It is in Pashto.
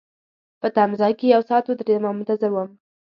په تمځای کي یو ساعت ودریدم او منتظر وم.